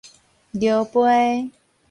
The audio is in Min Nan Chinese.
橈桮